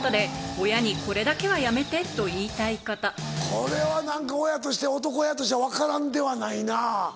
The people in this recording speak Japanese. これは親として男親としては分からんではないな。